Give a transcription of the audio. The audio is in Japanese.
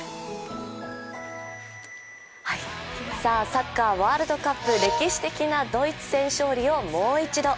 サッカー・ワールドカップ歴史的なドイツ戦勝利をもう一度。